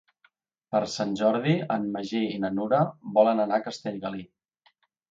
Per Sant Jordi en Magí i na Nura volen anar a Castellgalí.